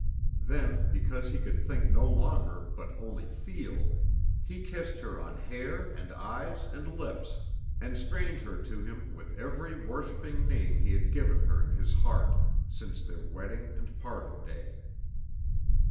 Then, because he could think no longer, but only feel, he kissed her on hair and eyes and lips, and strained her to him with every worshiping name he had given her in his heart since their wedding and parting day.